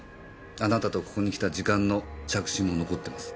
あなたとここに来た時間の着信も残ってます。